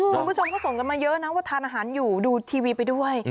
คุณผู้ชมก็ส่งกันมาเยอะนะว่าทานอาหารอยู่ดูทีวีไปด้วย